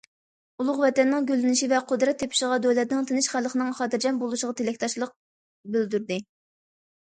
ئۇلۇغ ۋەتەننىڭ گۈللىنىشى ۋە قۇدرەت تېپىشىغا، دۆلەتنىڭ تىنچ، خەلقنىڭ خاتىرجەم بولۇشىغا تىلەكداشلىق بىلدۈردى!